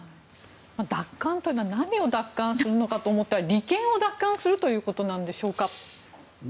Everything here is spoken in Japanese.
奪還というのは何を奪還するのかと思ったら利権を奪還するということなんでしょうか。